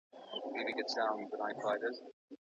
په لاس لیکلنه د انسانانو ترمنځ اړیکي پیاوړي کوي.